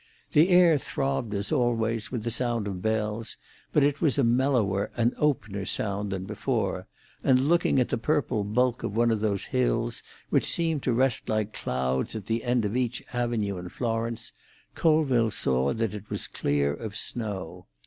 The air throbbed, as always, with the sound of bells, but it was a mellower and opener sound than before, and looking at the purple bulk of one of those hills which seem to rest like clouds at the end of each avenue in Florence, Colville saw that it was clear of snow.